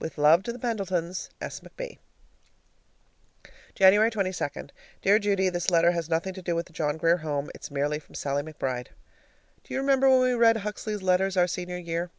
With love to the Pendletons, S. McB. January 22. Dear Judy: This letter has nothing to do with the John Grier Home. It's merely from Sallie McBride. Do you remember when we read Huxley's letters our senior year?